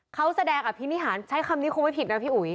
เขาแสดงอภินิหารใช้คำนี้คงไม่ผิดนะพี่อุ๋ย